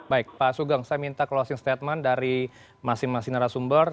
baik pak sugeng saya minta closing statement dari masing masing narasumber